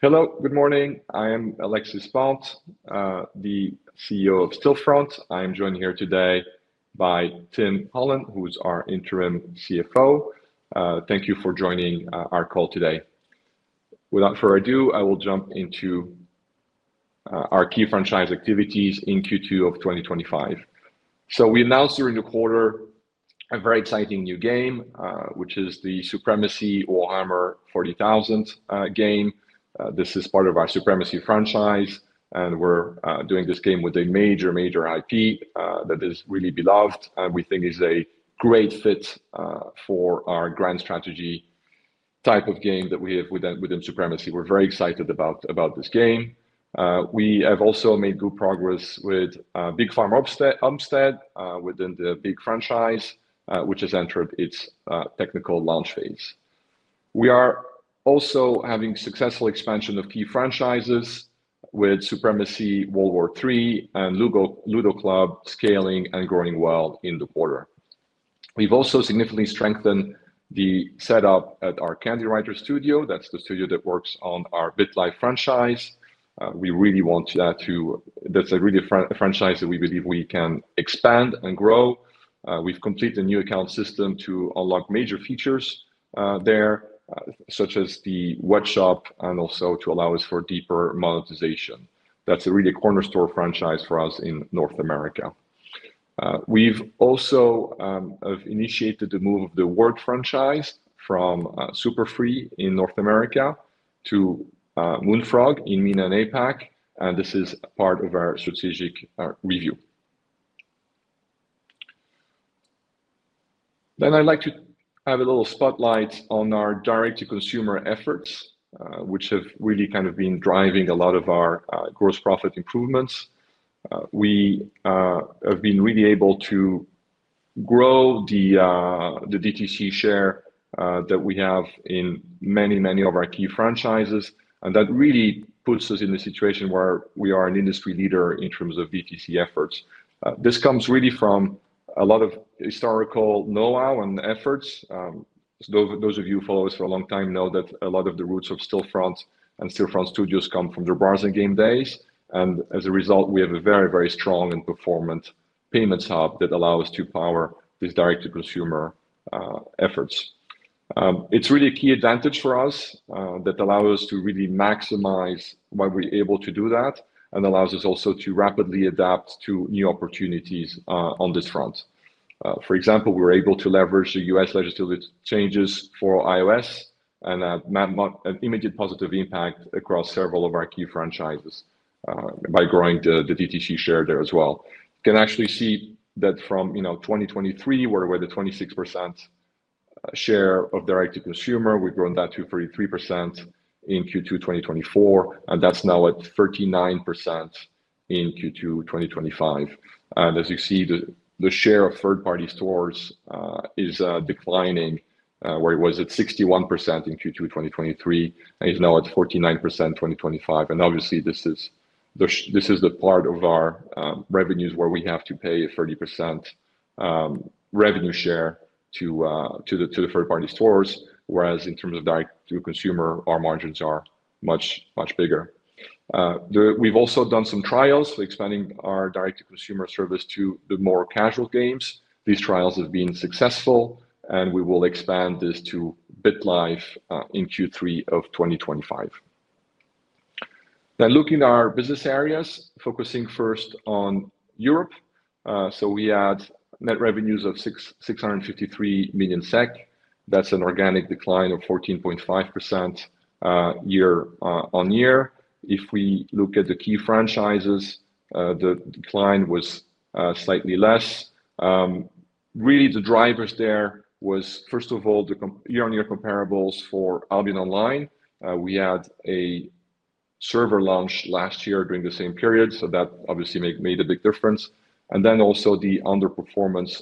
Hello, good morning. I am Alexis Bonte, the CEO of Stillfront. I am joined here today by Tim Holland, who is our Interim CFO. Thank you for joining our call today. Without further ado, I will jump into our key franchise activities in Q2 of 2025. We announced during the quarter a very exciting new game, which is the Supremacy: Warhammer 40,000 game. This is part of our Supremacy franchise, and we're doing this game with a major, major IP that is really beloved. We think it's a great fit for our grand strategy type of game that we have within Supremacy. We're very excited about this game. We have also made good progress with Big Farm: Upstead, within the Big Farm franchise, which has entered its technical launch phase. We are also having successful expansion of key franchises with Supremacy, World War 3, and Ludo Club, scaling and growing well in the quarter. We've also significantly strengthened the setup at our Candywriter Studio. That's the studio that works on our BitLife franchise. We really want that to... That's really a franchise that we believe we can expand and grow. We've completed a new account system to unlock major features there, such as the web shop and also to allow us for deeper monetization. That's a really cornerstone franchise for us in North America. We've also initiated the move of the Word franchise from Super Free in North America to Moonfrog in MENA and APAC. This is part of our strategic review. I'd like to have a little spotlight on our direct-to-consumer efforts, which have really kind of been driving a lot of our gross profit improvements. We have been really able to grow the DTC share that we have in many, many of our key franchises, and that really puts us in the situation where we are an industry leader in terms of DTC efforts. This comes really from a lot of historical know-how and efforts. Those of you who follow us for a long time know that a lot of the roots of Stillfront and Stillfront Studios come from the browser game days. As a result, we have a very, very strong and performant payments hub that allows us to power these direct-to-consumer efforts. It's really a key advantage for us that allows us to really maximize why we're able to do that and allows us also to rapidly adapt to new opportunities on this front. For example, we were able to leverage the U.S. legislative changes for iOS and have an immediate positive impact across several of our key franchises by growing the DTC share there as well. You can actually see that from 2023 where we had a 26% share of direct-to-consumer, we've grown that to 33% in Q2 2024, and that's now at 39% in Q2 2025. As you see, the share of third-party stores is declining where it was at 61% in Q2 2023 and is now at 49% in 2025. Obviously, this is the part of our revenues where we have to pay a 30% revenue share to the third-party stores, whereas in terms of direct-to-consumer, our margins are much, much bigger. We've also done some trials for expanding our direct-to-consumer service to the more casual games. These trials have been successful, and we will expand this to BitLife in Q3 of 2025. Looking at our business areas, focusing first on Europe, we had net revenues of 653 million SEK. That's an organic decline of 14.5% year-on-year. If we look at the key franchises, the decline was slightly less. Really, the drivers there were, first of all, the year-on-year comparables for Albion Online. We had a server launch last year during the same period, which obviously made a big difference. Also, the underperformance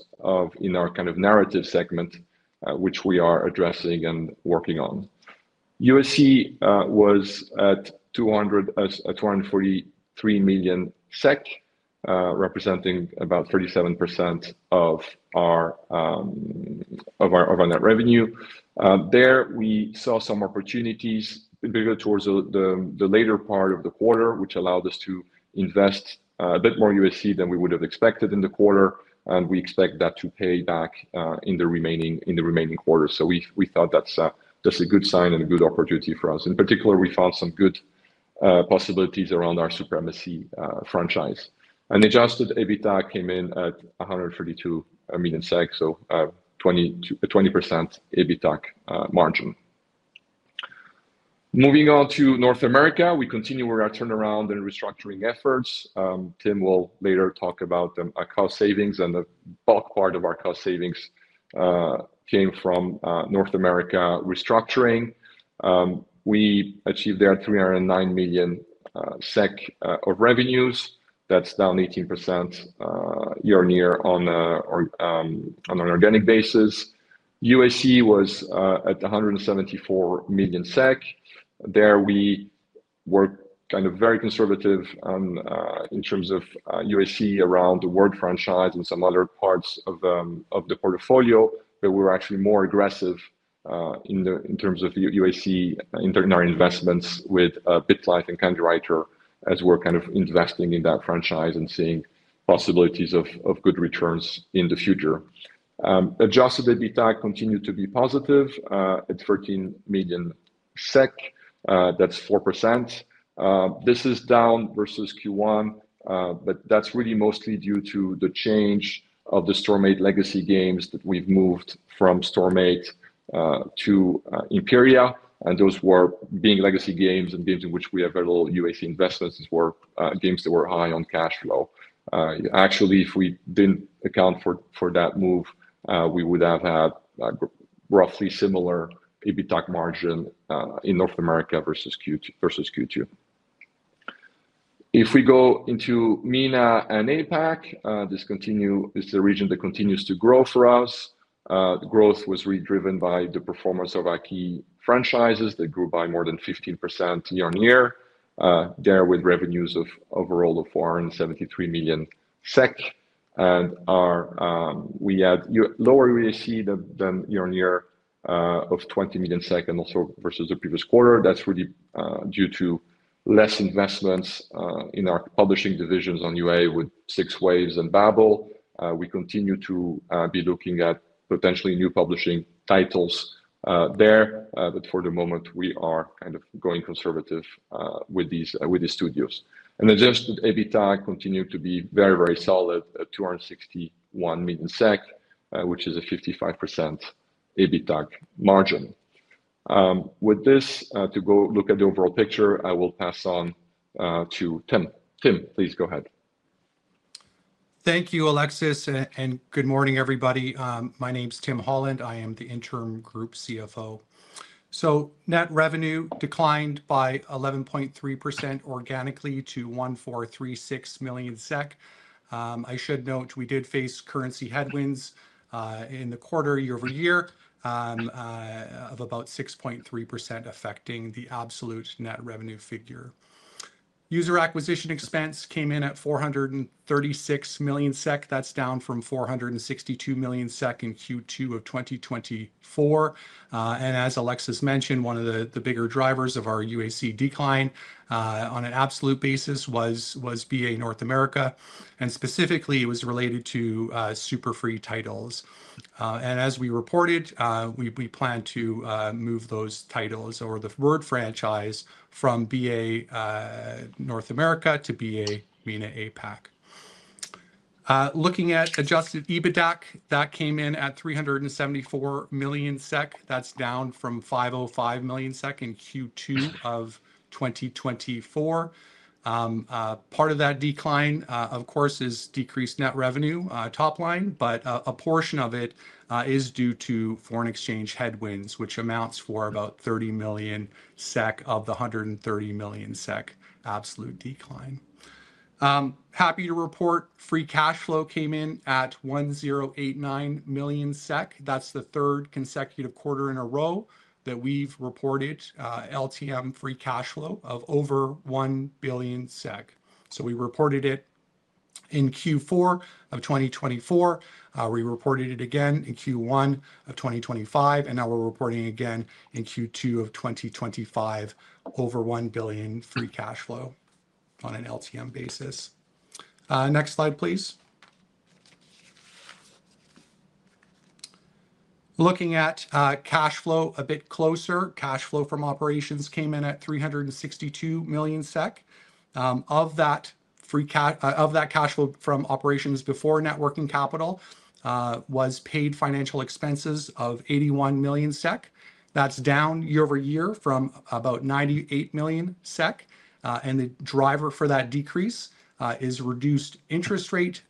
in our kind of narrative segment, which we are addressing and working on. USC was at 243 million SEK, representing about 37% of our net revenue. There, we saw some opportunities bigger towards the later part of the quarter, which allowed us to invest a bit more USC than we would have expected in the quarter, and we expect that to pay back in the remaining quarter. We thought that's a good sign and a good opportunity for us. In particular, we found some good possibilities around our Supremacy franchise. Adjusted EBITDA came in at 132 million SEK, so a 20% EBITDA margin. Moving on to North America, we continue with our turnaround and restructuring efforts. Tim will later talk about the cost savings, and the bulk part of our cost savings came from North America restructuring. We achieved 309 million SEK of revenues there. That's down 18% year-on-year on an organic basis. USC was at 174 million SEK. There, we were kind of very conservative in terms of USC around the Word franchise and some other parts of the portfolio, but we were actually more aggressive in terms of the USC in our investments with BitLife and Candywriter as we're kind of investing in that franchise and seeing possibilities of good returns in the future. Adjusted EBITDA continued to be positive at 13 million SEK. That's 4%. This is down versus Q1, but that's really mostly due to the change of the Storm8 legacy games that we've moved from Storm8 to Imperia, and those were being legacy games and games in which we have available USC investments. These were games that were high on cash flow. Actually, if we didn't account for that move, we would have had a roughly similar EBITDA margin in North America versus Q2. If we go into MENA and APAC, this is a region that continues to grow for us. The growth was really driven by the performance of our key franchises that grew by more than 15% year-on-year, there with revenues overall of 473 million SEK. We had lower USC than year-on-year of 20 million and also versus the previous quarter. That's really due to less investments in our publishing divisions on UA with 6waves and Babil. We continue to be looking at potentially new publishing titles there, but for the moment, we are kind of going conservative with these studios. Adjusted EBITDA continued to be very, very solid at 261 million, which is a 55% EBITDA margin. With this, to go look at the overall picture, I will pass on to Tim. Tim, please go ahead. Thank you, Alexis, and good morning, everybody. My name's Tim Holland. I am the Interim Group CFO. Net revenue declined by 11.3% organically to 1,436 million SEK. I should note we did face currency headwinds in the quarter year-over-year of about 6.3% affecting the absolute net revenue figure. User acquisition expense came in at 436 million SEK, down from 462 million SEK in Q2 2024. As Alexis mentioned, one of the bigger drivers of our UAC decline on an absolute basis was BA North America, and specifically, it was related to Super Free titles. As we reported, we plan to move those titles or the Word franchise from BA North America to BA MENA APAC. Looking at adjusted EBITDA, that came in at 374 million SEK, down from 505 million SEK in Q2 2024. Part of that decline, of course, is decreased net revenue top line, but a portion of it is due to foreign exchange headwinds, which amounts for about 30 million SEK of the 130 million SEK absolute decline. Happy to report, free cash flow came in at 1,089 million SEK. That's the third consecutive quarter in a row that we've reported LTM free cash flow of over 1 billion SEK. We reported it in Q4 2024, we reported it again in Q1 2025, and now we're reporting again in Q2 2025 over 1 billion free cash flow on an LTM basis. Next slide, please. Looking at cash flow a bit closer, cash flow from operations came in at 362 million SEK. Of that, cash flow from operations before net working capital was paid financial expenses of 81 million SEK, down year-over-year from about 98 million SEK. The driver for that decrease is reduced interest rate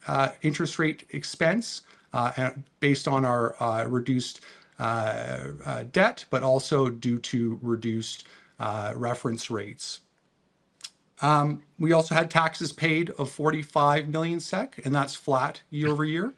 expense based on our reduced debt, but also due to reduced reference rates. We also had taxes paid of 45 million SEK, and that's flat year-over-year.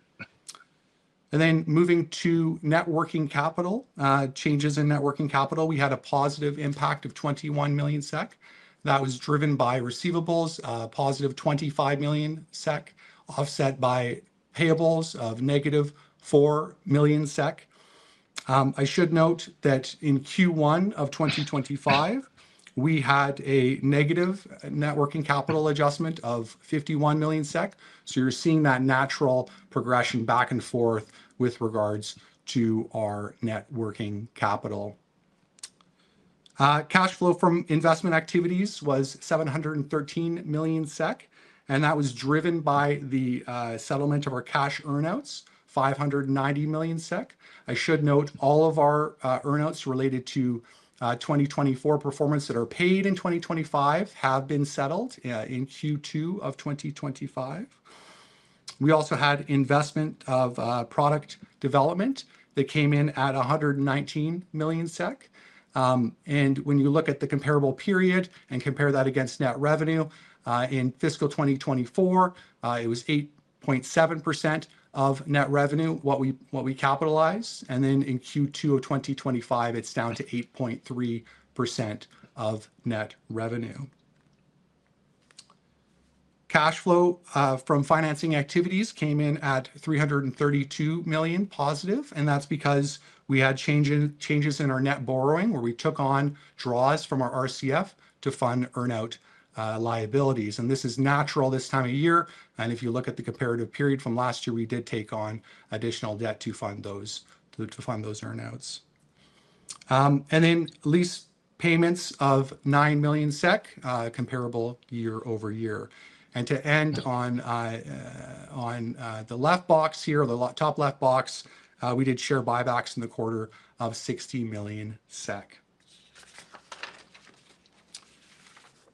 Moving to net working capital, changes in net working capital had a positive impact of 21 million SEK. That was driven by receivables, +25 million SEK, offset by payables of -4 million SEK. I should note that in Q1 2025, we had a negative net working capital adjustment of 51 million SEK. You're seeing that natural progression back and forth with regards to our net working capital. Cash flow from investment activities was 713 million SEK, driven by the settlement of our cash earnouts, 590 million SEK. I should note all of our earnouts related to 2024 performance that are paid in 2025 have been settled in Q2 2025. We also had investment of product development that came in at 119 million SEK. When you look at the comparable period and compare that against net revenue in fiscal 2024, it was 8.7% of net revenue what we capitalized. In Q2 2025, it's down to 8.3% of net revenue. Cash flow from financing activities came in at 332 million+, and that's because we had changes in our net borrowing where we took on draws from our RCF to fund earnout liabilities. This is natural this time of year. If you look at the comparative period from last year, we did take on additional debt to fund those earnouts. Lease payments of SEK 9 million are comparable year-over-year. To end on the top left box, we did share buybacks in the quarter of 60 million SEK.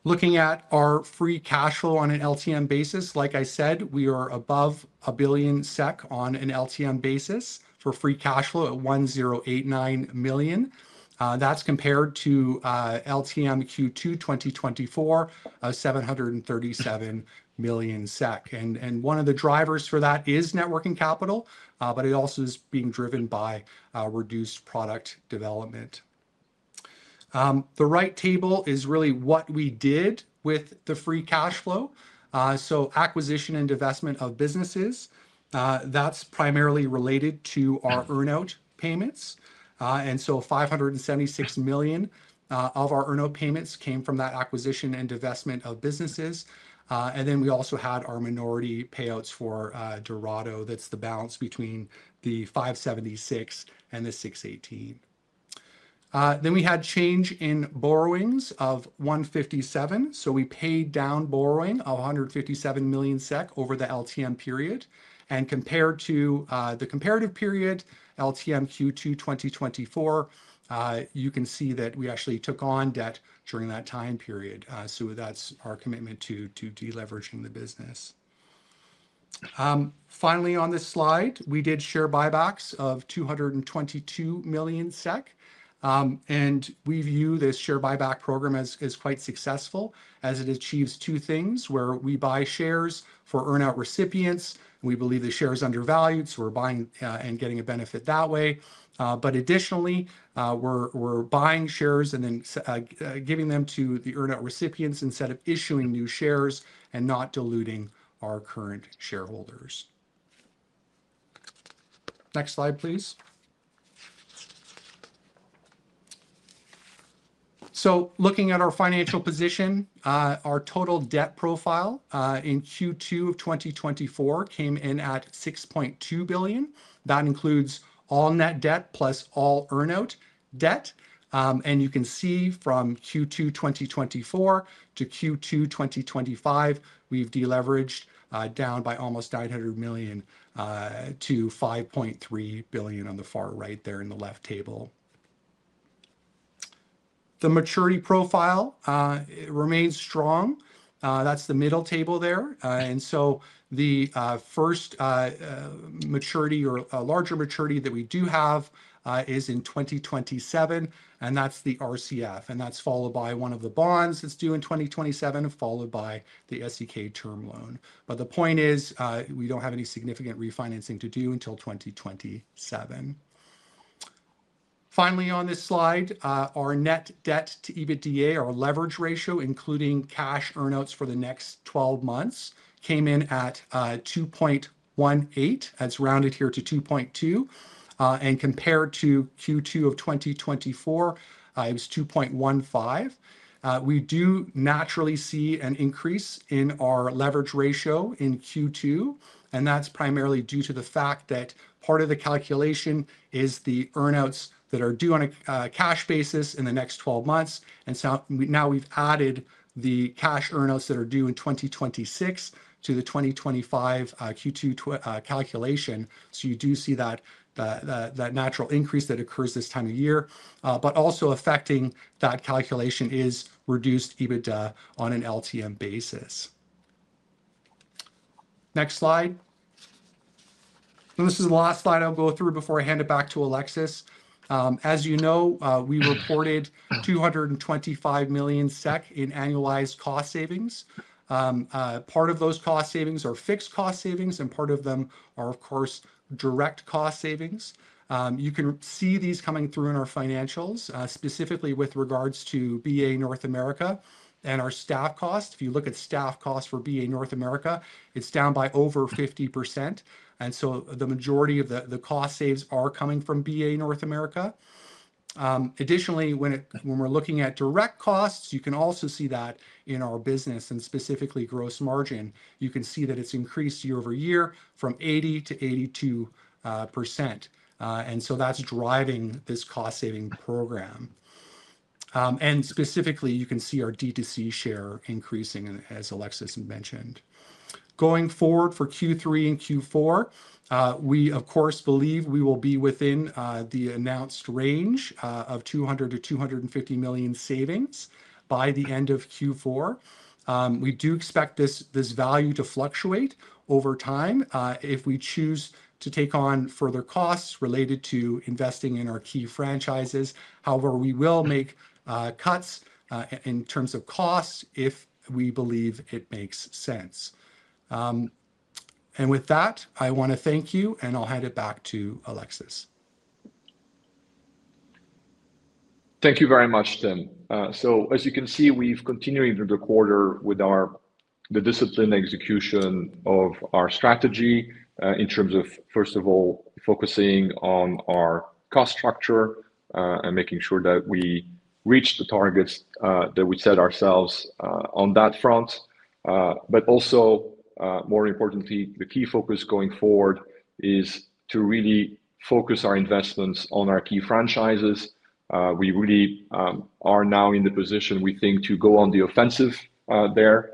Looking at our free cash flow on an LTM basis, like I said, we are above 1 billion SEK on an LTM basis for free cash flow at 1,089 million. That's compared to LTM Q2 2024 of 737 million SEK. One of the drivers for that is networking capital, but it also is being driven by reduced product development. The right table is really what we did with the free cash flow. Acquisition and divestment of businesses is primarily related to our earnout payments. 576 million of our earnout payments came from that acquisition and divestment of businesses. We also had our minority payouts for Dorado. That's the balance between the 576 million and the 618 million. We had change in borrowings of 157 million. We paid down borrowing of 157 million SEK over the LTM period. Compared to the comparative period, LTM Q2 2024, you can see that we actually took on debt during that time period. That's our commitment to deleveraging the business. Finally, on this slide, we did share buybacks of 222 million SEK. We view this share buyback program as quite successful, as it achieves two things where we buy shares for earnout recipients. We believe the share is undervalued, so we're buying and getting a benefit that way. Additionally, we're buying shares and then giving them to the earnout recipients instead of issuing new shares and not diluting our current shareholders. Next slide, please. Looking at our financial position, our total debt profile in Q2 2024 came in at 6.2 billion. That includes all net debt plus all earnout debt. You can see from Q2 2024 to Q2 2025, we've deleveraged down by almost 900 million to 5.3 billion on the far right there in the left table. The maturity profile remains strong. That's the middle table there. The first maturity or larger maturity that we do have is in 2027, and that's the RCF. That's followed by one of the bonds that's due in 2027, followed by the SEK term loan. The point is we don't have any significant refinancing to do until 2027. Finally, on this slide, our net debt to EBITDA, our leverage ratio, including cash earnouts for the next 12 months, came in at 2.18. That's rounded here to 2.2. Compared to Q2 of 2024, it was 2.15. We do naturally see an increase in our leverage ratio in Q2. That's primarily due to the fact that part of the calculation is the earnouts that are due on a cash basis in the next 12 months. Now we've added the cash earnouts that are due in 2026 to the 2025 Q2 calculation. You do see that natural increase that occurs this time of year. Also affecting that calculation is reduced EBITDA on an LTM basis. Next slide. This is the last slide I'll go through before I hand it back to Alexis. As you know, we reported 225 million SEK in annualized cost savings. Part of those cost savings are fixed cost savings, and part of them are, of course, direct cost savings. You can see these coming through in our financials, specifically with regards to BA North America and our staff cost. If you look at staff cost for BA North America, it's down by over 50%. The majority of the cost savings are coming from BA North America. Additionally, when we're looking at direct costs, you can also see that in our business and specifically gross margin. You can see that it's increased year-over-year from 80% to 82%. That's driving this cost saving program. Specifically, you can see our DTC share increasing, as Alexis mentioned. Going forward for Q3 and Q4, we, of course, believe we will be within the announced range of 200 million-250 million savings by the end of Q4. We do expect this value to fluctuate over time if we choose to take on further costs related to investing in our key franchises. However, we will make cuts in terms of cost if we believe it makes sense. With that, I want to thank you, and I'll hand it back to Alexis. Thank you very much, Tim. As you can see, we've continued the quarter with our disciplined execution of our strategy in terms of, first of all, focusing on our cost structure and making sure that we reach the targets that we set ourselves on that front. More importantly, the key focus going forward is to really focus our investments on our key franchises. We really are now in the position, we think, to go on the offensive there.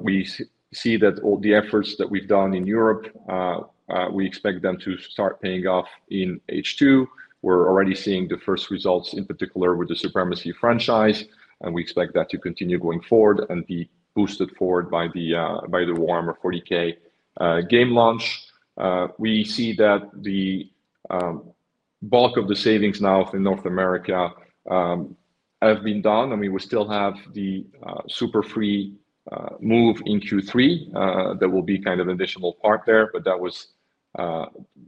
We see that all the efforts that we've done in Europe, we expect them to start paying off in H2. We're already seeing the first results, in particular with the Supremacy franchise, and we expect that to continue going forward and be boosted forward by the Supremacy: Warhammer 40,000 game launch. We see that the bulk of the savings now in North America have been done. We still have the Super Free move in Q3 that will be an additional part there, but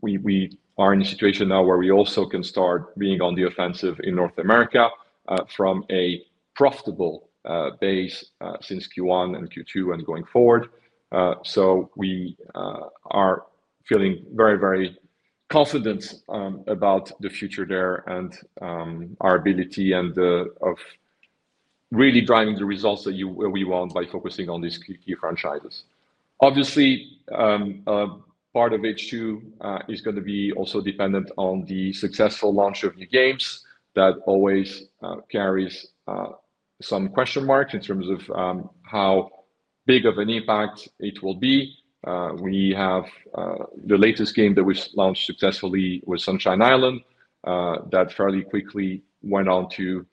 we are in a situation now where we also can start being on the offensive in North America from a profitable base since Q1 and Q2 and going forward. We are feeling very, very confident about the future there and our ability of really driving the results that we want by focusing on these key franchises. Obviously, part of H2 is going to be also dependent on the successful launch of new games that always carries some question marks in terms of how big of an impact it will be. The latest game that was launched successfully was Sunshine Island that fairly quickly went on to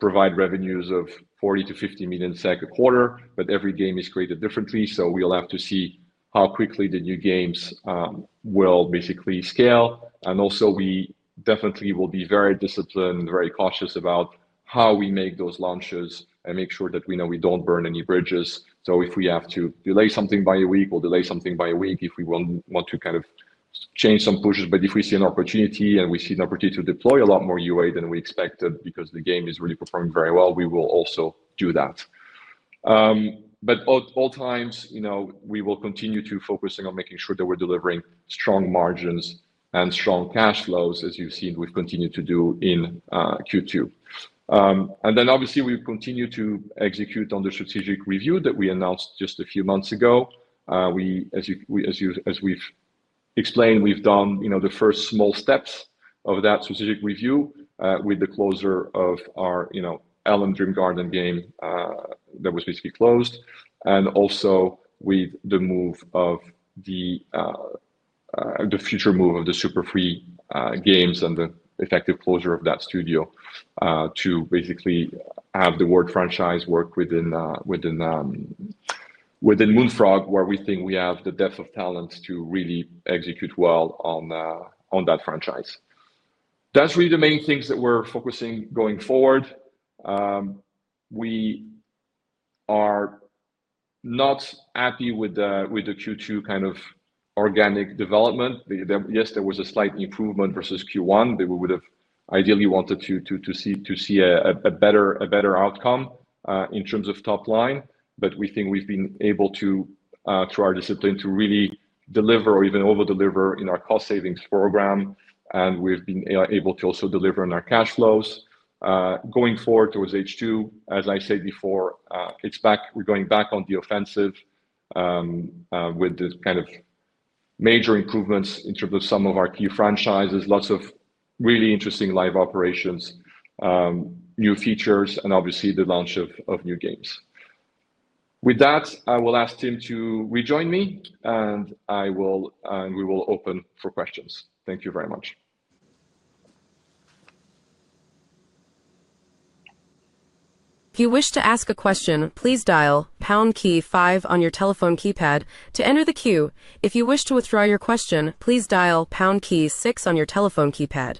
provide revenues of 40 million-50 million SEK a quarter, but every game is created differently, so we'll have to see how quickly the new games will basically scale. We definitely will be very disciplined and very cautious about how we make those launches and make sure that we don't burn any bridges. If we have to delay something by a week, if we want to change some pushes, but if we see an opportunity and we see an opportunity to deploy a lot more UA than we expected because the game is really performing very well, we will also do that. At all times, we will continue to focus on making sure that we're delivering strong margins and strong cash flows, as you've seen we've continued to do in Q2. We continue to execute on the strategic review that we announced just a few months ago. As we've explained, we've done the first small steps of that strategic review with the closure of our Dream Garden game that was basically closed, and also with the future move of the Super Free games and the effective closure of that studio to basically have the Word franchise work within Moonfrog, where we think we have the depth of talent to really execute well on that franchise. That's really the main things that we're focusing on going forward. We are not happy with the Q2 kind of organic development. Yes, there was a slight improvement versus Q1, but we would have ideally wanted to see a better outcome in terms of top line. We think we've been able to, through our discipline, really deliver or even over-deliver in our cost savings program, and we've been able to also deliver on our cash flows. Going forward towards H2, as I said before, it's back. We're going back on the offensive with the kind of major improvements in terms of some of our key franchises, lots of really interesting live operations, new features, and obviously the launch of new games. With that, I will ask Tim to rejoin me, and we will open for questions. Thank you very much. If you wish to ask a question, please dial pound key five on your telephone keypad to enter the queue. If you wish to withdraw your question, please dial pound key six on your telephone keypad.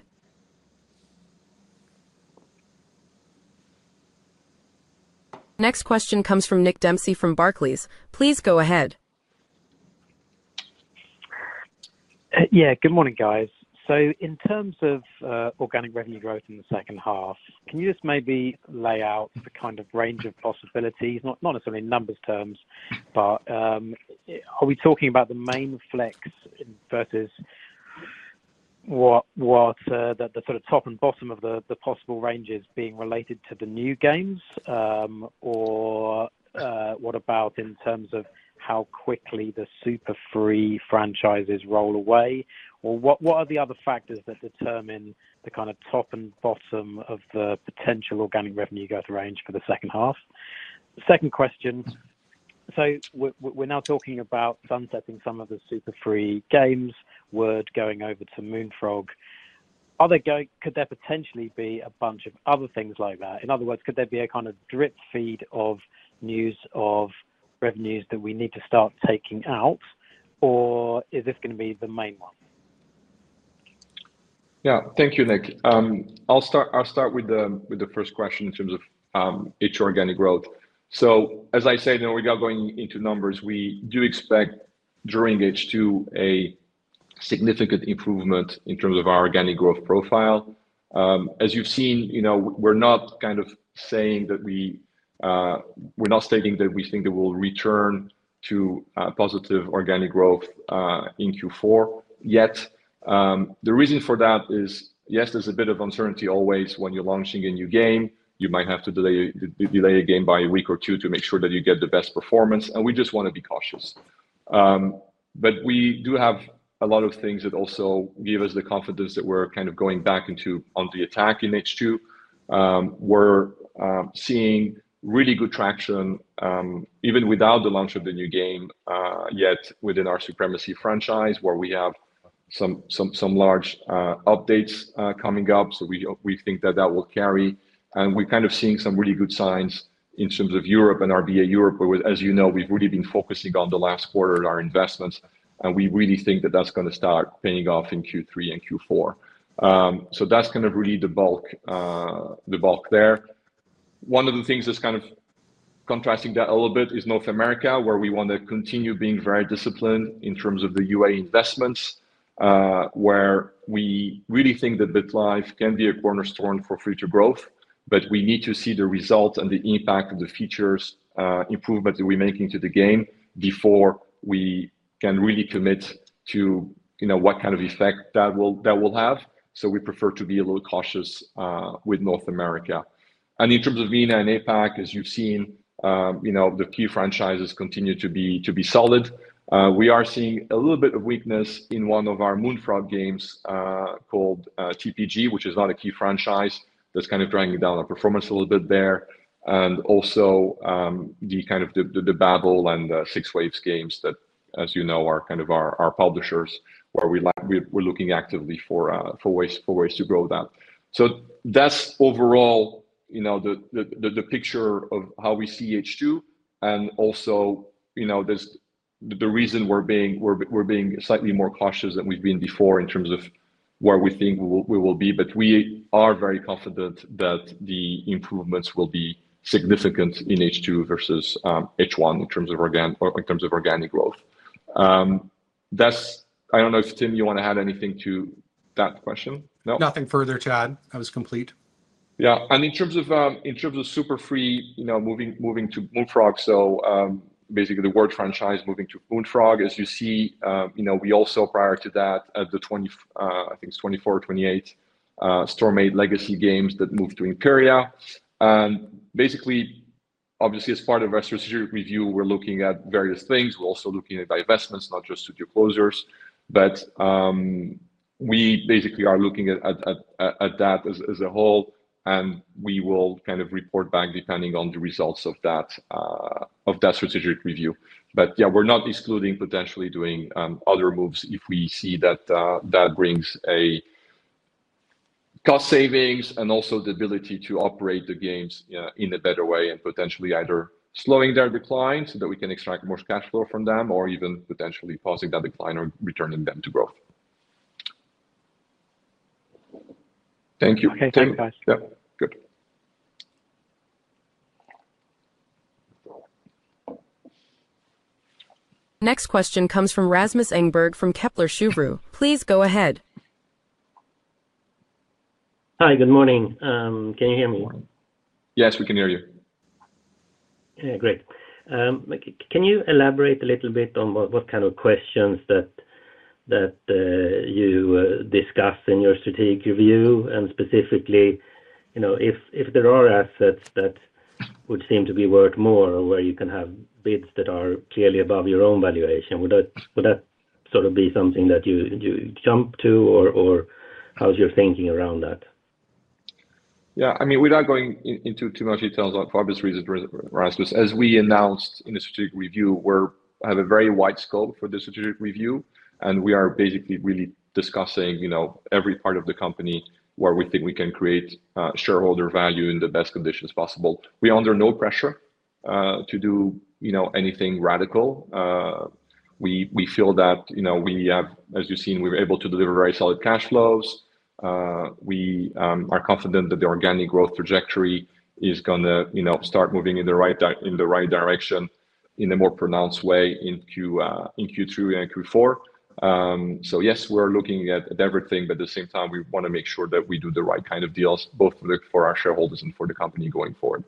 Next question comes from Nick Dempsey from Barclays. Please go ahead. Good morning, guys. In terms of organic revenue growth in the second half, can you just maybe lay out the kind of range of possibilities, not necessarily in numbers terms, but are we talking about the main flex versus what the sort of top and bottom of the possible ranges being related to the new games? What about in terms of how quickly the Super Free franchises roll away? What are the other factors that determine the kind of top and bottom of the potential organic revenue growth range for the second half? Second question, we're now talking about sunsetting some of the Super Free games, Word going over to Moonfrog. Could there potentially be a bunch of other things like that? In other words, could there be a kind of drip feed of news of revenues that we need to start taking out, or is this going to be the main one? Yeah, thank you, Nick. I'll start with the first question in terms of H2 organic growth. As I said, we're now going into numbers. We do expect during H2 a significant improvement in terms of our organic growth profile. As you've seen, we're not stating that we think that we'll return to positive organic growth in Q4 yet. The reason for that is, yes, there's a bit of uncertainty always when you're launching a new game. You might have to delay a game by a week or two to make sure that you get the best performance, and we just want to be cautious. We do have a lot of things that also give us the confidence that we're going back on the attack in H2. We're seeing really good traction even without the launch of the new game yet within our Supremacy franchise where we have some large updates coming up. We think that will carry. We're seeing some really good signs in terms of Europe and RBA Europe, where, as you know, we've really been focusing on the last quarter of our investments, and we really think that's going to start paying off in Q3 and Q4. That's really the bulk there. One of the things that's contrasting that a little bit is North America, where we want to continue being very disciplined in terms of the UA investments, where we really think that BitLife can be a cornerstone for future growth, but we need to see the results and the impact of the features improvements that we're making to the game before we can really commit to what kind of effect that will have. We prefer to be a little cautious with North America. In terms of MENA and APAC, as you've seen, the key franchises continue to be solid. We are seeing a little bit of weakness in one of our Moonfrog games called TPG, which is not a key franchise. That's dragging down our performance a little bit there. Also, the Babil and the 6waves games that, as you know, are our publishers where we're looking actively for ways to grow that. That's overall the picture of how we see H2. There's the reason we're being slightly more cautious than we've been before in terms of where we think we will be. We are very confident that the improvements will be significant in H2 versus H1 in terms of organic growth. I don't know if Tim, you want to add anything to that question? No, nothing further to add. That was complete. Yeah, and in terms of Super Free, you know, moving to Moonfrog, so basically the Word franchise moving to Moonfrog, as you see, we also prior to that at the 24, I think it's 24 or 28, Storm8 legacy games that moved to Imperia. Obviously, as part of our strategic review, we're looking at various things. We're also looking at buy investments, not just studio closures. We basically are looking at that as a whole, and we will kind of report back depending on the results of that strategic review. We're not excluding potentially doing other moves if we see that that brings a cost savings and also the ability to operate the games in a better way and potentially either slowing their decline so that we can extract more cash flow from them or even potentially pausing that decline or returning them to growth. Thank you. Thank you, guys. Yeah, good. Next question comes from Rasmus Engberg from Kepler Cheuvreux. Please go ahead. Hi, good morning. Can you hear me? Yes, we can hear you. Great. Can you elaborate a little bit on what kind of questions that you discuss in your strategic review? Specifically, if there are assets that would seem to be worth more or where you can have bids that are clearly above your own valuation, would that sort of be something that you jump to, or how's your thinking around that? Yeah, I mean, without going into too much detail, for obvious reasons, Rasmus, as we announced in the strategic review, we have a very wide scope for the strategic review. We are basically really discussing every part of the company where we think we can create shareholder value in the best conditions possible. We are under no pressure to do anything radical. We feel that, as you've seen, we were able to deliver very solid cash flows. We are confident that the organic growth trajectory is going to start moving in the right direction in a more pronounced way in Q3 and Q4. Yes, we're looking at everything, but at the same time, we want to make sure that we do the right kind of deals, both for our shareholders and for the company going forward.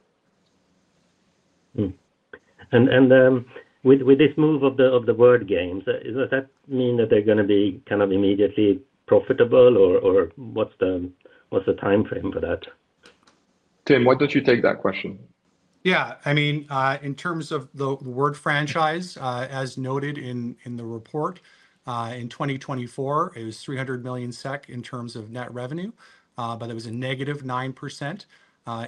With this move of the Word games, does that mean that they're going to be kind of immediately profitable, or what's the timeframe for that? Tim, why don't you take that question? Yeah, I mean, in terms of the Word franchise, as noted in the report, in 2024, it was 300 million SEK in terms of net revenue, but it was a -9%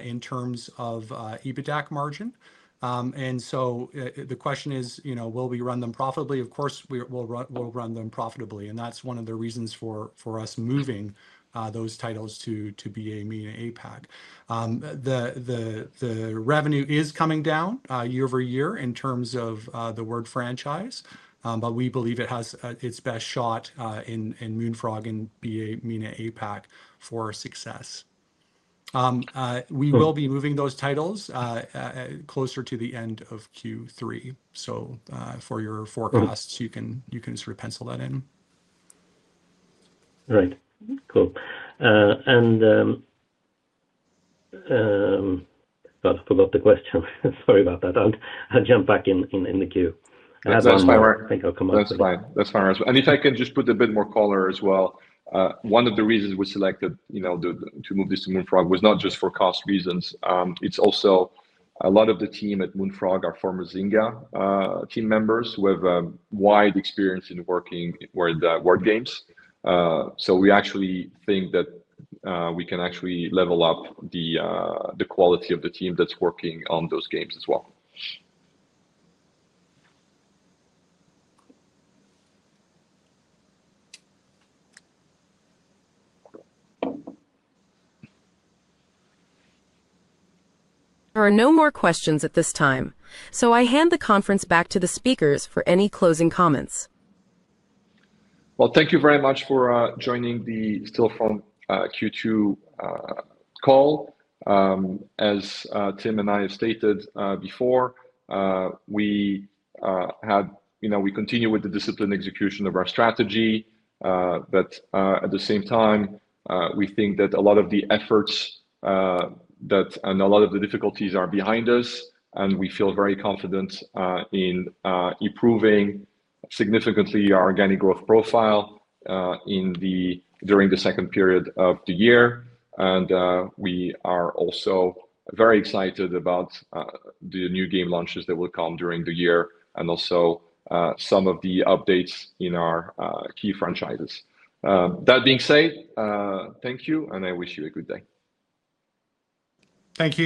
in terms of EBITDA margin. The question is, you know, will we run them profitably? Of course, we'll run them profitably. That's one of the reasons for us moving those titles to BA MENA APAC. The revenue is coming down year-over-year in terms of the Word franchise, but we believe it has its best shot in Moonfrog and BA MENA APAC for success. We will be moving those titles closer to the end of Q3. For your forecasts, you can sort of pencil that in. All right, cool. I forgot the question. Sorry about that. I'll jump back in the queue. That's fine. I think I'll come up. That's fine. If I can just put a bit more color as well, one of the reasons we selected to move this to Moonfrog was not just for cost reasons. It's also a lot of the team at Moonfrog are former Zynga team members who have a wide experience in working with Word games. We actually think that we can level up the quality of the team that's working on those games as well. There are no more questions at this time. I hand the conference back to the speakers for any closing comments. Thank you very much for joining the Stillfront Q2 call. As Tim and I have stated before, we continue with the disciplined execution of our strategy. At the same time, we think that a lot of the efforts and a lot of the difficulties are behind us. We feel very confident in improving significantly our organic growth profile during the second period of the year. We are also very excited about the new game launches that will come during the year and also some of the updates in our key franchises. That being said, thank you and I wish you a good day. Thank you.